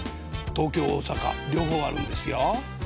東京大阪両方あるんですよ。